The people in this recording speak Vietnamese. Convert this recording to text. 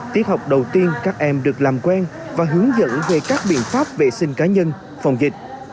tiết học đầu tiên các em được làm quen và hướng dẫn về các biện pháp vệ sinh cá nhân phòng dịch